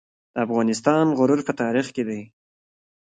د افغانستان غرور په تاریخ کې دی